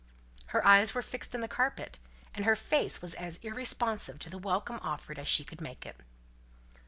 Her eyes were fixed on the carpet, and her face was as irresponsive to the welcome offered as she could make it.